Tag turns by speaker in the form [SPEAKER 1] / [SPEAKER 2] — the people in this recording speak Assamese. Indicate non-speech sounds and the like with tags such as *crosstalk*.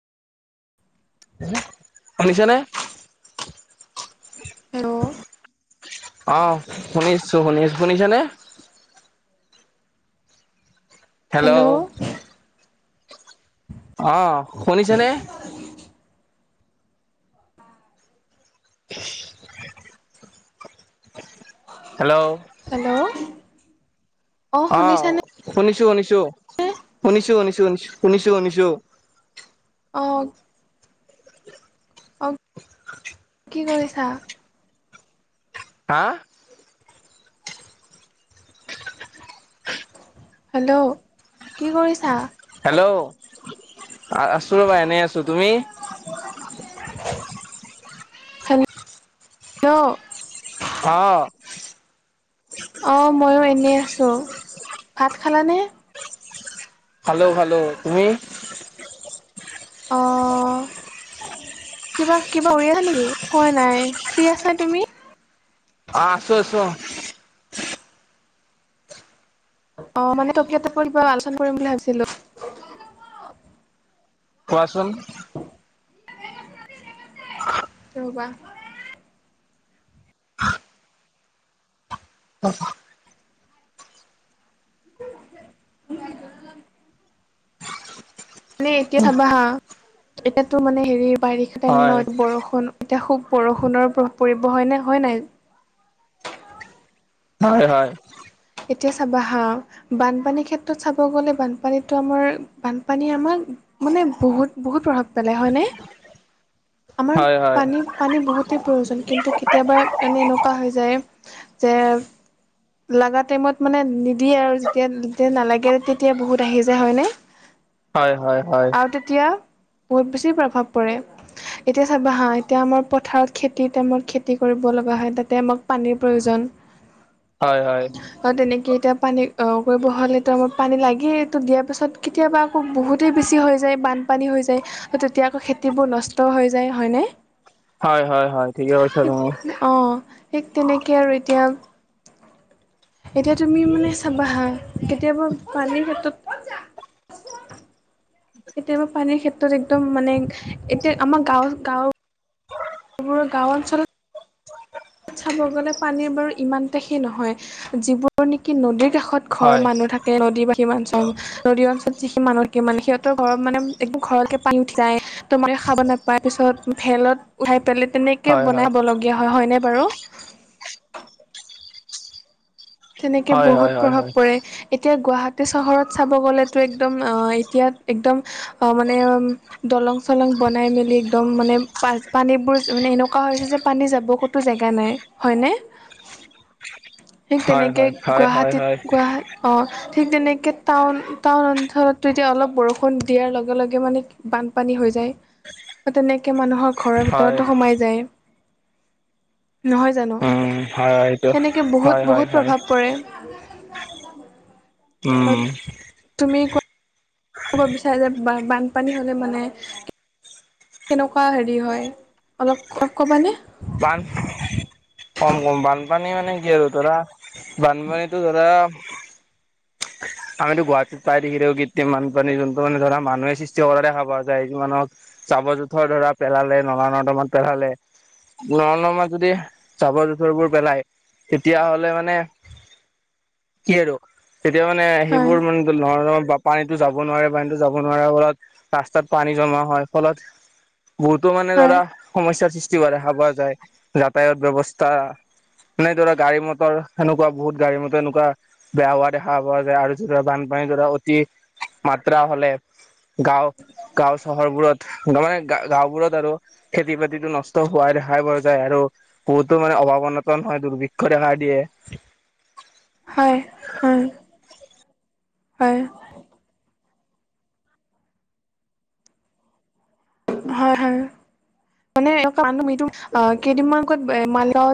[SPEAKER 1] শুনিছা নে?
[SPEAKER 2] হেল্ল'
[SPEAKER 1] অঁ শুনিছোঁ শুনিছ, শুনিছা নে? হেল্ল' অঁহ শুনিছে নে? Hello
[SPEAKER 2] hello. অ
[SPEAKER 1] অঁ
[SPEAKER 2] শুনিছানে
[SPEAKER 1] শুনিছোঁ শুনিছোঁ, শুনিছোঁ শুনিছোঁ শুনি শুনিছোঁ শুনিছোঁ।
[SPEAKER 2] অঁ। অঁ কি কৰিছা?
[SPEAKER 1] হাঁ?
[SPEAKER 2] হেল্ল' কি কৰিছা?
[SPEAKER 1] হেল্ল' আ আছোঁ ৰ'বা এনেই আছোঁ, তুমি?
[SPEAKER 2] হেল্ল'
[SPEAKER 1] অহ।
[SPEAKER 2] অঁ ময়ো এনেই আছোঁ। ভাত খালানে?
[SPEAKER 1] খালো খালো, তুমি?
[SPEAKER 2] অ
[SPEAKER 1] *unintelligible*
[SPEAKER 2] কিবা কিবা কৰি আছা নেকি? খোৱা নাই। ফ্ৰী আছা তুমি?
[SPEAKER 1] অঁ আছোঁ আছোঁ অহ।
[SPEAKER 2] অঁ মানে টপিক এটাৰ ওপৰত কিবা আলোচনা কৰিম বুলি ভাবিছিলো।
[SPEAKER 1] কোৱাচোন?
[SPEAKER 2] ৰবা।
[SPEAKER 1] *unintelligible*
[SPEAKER 2] *unintelligible* মানে এতিয়া চাবা হা এতিয়া টো মানে হেৰী বাৰিষা টাইম
[SPEAKER 1] হয়
[SPEAKER 2] ন বৰষুণ এতিয়া খুব বৰষুণৰ প্ৰভাৱ পৰিব হয়নে? হয় নাই?
[SPEAKER 1] হয় হয়।
[SPEAKER 2] এতিয়া চাবা হাঁ। বানপানীৰ ক্ষেত্ৰত চাব গ'লে বানপানীতো আমাৰ বানপানী আমাৰ মানে বহুত বহুত প্ৰভাৱ পেলাই হয়নে? আমাৰ
[SPEAKER 1] হয়
[SPEAKER 2] পানী পানী বহুতেই প্ৰয়োজন কিন্তু কেতিয়াবা মানে এনেকুৱা হৈ যায়, যে লগা টাইমত মানে নিদিয়ে আৰু যেতিয়া যেতিয়া নালাগে তেতিয়া বহুত আহি যায়, হয়নে?
[SPEAKER 1] হয় হয়। হয়
[SPEAKER 2] আৰু তেতিয়া বহুত বেছি প্ৰভাৱ পৰে। এতিয়া চাবা হা এতিয়া আমাৰ পথাৰত খেতিৰ টাইমত খেতি কৰিব লগা হয় তাতে আমাক পানীৰ প্ৰয়োজন।
[SPEAKER 1] হয় হয়।
[SPEAKER 2] কাৰণ তেনেকে এতিয়া পানী অঁ কৰিব হ'লেটো আমাক পানী লাগেই এইটো দিয়াৰ পিছত কেতিয়াবা আকৌ বহুত তেই বেছি হৈ যায় বানপানী হৈ যায় তেতিয়া আকৌ খেতিবোৰ নষ্ট হৈ যায়। হয়নে?
[SPEAKER 1] হয় হয় হয় ঠিকে কৈছা তুমি।
[SPEAKER 2] অঁ ঠিক তেনেকে আৰু এতিয়া এতিয়া তুমি মানে চাবা হা কেতিয়াবা পানীৰ ক্ষেত্ৰত কেতিয়াবা পানীৰ ক্ষেত্ৰত একদম মানে এতিয়া আমাৰ গাঁৱৰ গাঁও বোৰ গাঁও অঞ্চলত ত চাব গ'লে পানীৰ বাৰু ইমানতা সে নহয় যিবোৰ নিকি নদীৰ কাষত ঘৰ
[SPEAKER 1] হয়
[SPEAKER 2] মানুহ থাকে নদী বা অঞ্চল নদীৰ অঞ্চলত যিখিনি মানুহ সি মানে সিহঁতৰ ঘৰত মানে একদম ঘৰৰতকে পানী উঠি যায় তো মানে খাব নাপায় পিছত ভেলত উঠাই পেলাই তেনেক কে
[SPEAKER 1] হয় হয়
[SPEAKER 2] বনাব লগীয়া হয়, হয়নে বাৰু? তেনেকে
[SPEAKER 1] হয় হয়
[SPEAKER 2] বহুত
[SPEAKER 1] হয়
[SPEAKER 2] প্ৰভাৱ
[SPEAKER 1] হয়
[SPEAKER 2] পৰে এতিয়া গুৱাহাটী চহৰত চাব গ'লেতো একদম অ এতিয়া একদম অ মানে দলং চলং বনাই মেলি একদম মানে পাচ পানীবোৰ মানে এনেকুৱা হৈছে যে পানী যাব কত টো জেগা নাই হয়নে ঠিক
[SPEAKER 1] হয়
[SPEAKER 2] তেনেকে
[SPEAKER 1] হয় হয় হয়
[SPEAKER 2] গুৱাহাটীত
[SPEAKER 1] হয়
[SPEAKER 2] গোৱা অঁ ঠিক তেনেকে টাউন টাউন অঞ্চলতো এতিয়া অলপ বৰষুণ দিয়াৰ লগে লগে মানে বানপানী হৈ যায় বা তেনেকে মানুহক ঘৰৰ
[SPEAKER 1] হয়
[SPEAKER 2] ভিতৰতো সোমাই যায় নহয় জানো
[SPEAKER 1] উম হয়টো
[SPEAKER 2] সেনেকে বহুত
[SPEAKER 1] হয় হয়
[SPEAKER 2] বহুত
[SPEAKER 1] হয়
[SPEAKER 2] প্ৰভাৱ পৰে
[SPEAKER 1] উম
[SPEAKER 2] আৰু তুমি ক ক'ব বিচালে বান বানপানী হ'লে মানে কেনেকুৱা হেৰি হয় অলপ অলপ ক'বানে
[SPEAKER 1] বান কম কম বানপানী মানে কি আৰু ধৰা বানপানীতো ধৰা *unintelligible* আমিতো গুৱাহাটী প্ৰায় দেখি থাকো কৃত্ৰিম বানপানী যোনটো মানে ধৰা মানুহে সৃষ্টি কৰা দেখা পোৱা যায় যি মানুহক চাবৰ জোঁথৰ ধৰা পেলালে নলা নৰ্দমাত পেলালে ন নমাত যদি জাবৰ- জোথৰবোৰ পেলায় তেতিয়াহ'লে মানে কি আৰু তেতিয়া মানে
[SPEAKER 2] হয়
[SPEAKER 1] সেইবোৰ মান নৰ্নব বা পানীটো যাব নোৱাৰে পানীটো যাব নোৱাৰাৰ ফলত ৰাস্তাত পানী জমা হয় ফলত বহুতো মানে
[SPEAKER 2] হয়
[SPEAKER 1] ধৰা সমস্যাৰ সৃষ্টি হোৱা দেখা পোৱা যায় যাতায়ত ব্যৱস্থা। এনে ধৰা গাড়ী মটৰ হেনেকুৱা বহুত গাড়ী মটৰ এনেকুৱা বেয়া হোৱাত দেখা পোৱা যায় আৰু যেতিয়া বানপানীৰ ধৰা অতি মাত্ৰা হলে গাঁও গাঁও চহৰবোৰত মানে গা গাঁওবোৰত আৰু খেতি বাতিতো নষ্ট হোৱা দেখাই পোৱা যায় আৰু বহুতো মানে অভাৱ অনাতন হয় দুৰ্ভিক্ষয় দেখা দিয়ে
[SPEAKER 2] হয় হয় হয় হয় হয় মানে বানপানীটো আ কেইদিনমান কত মালিগাঁৱত